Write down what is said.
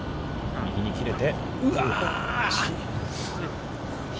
右に切れて。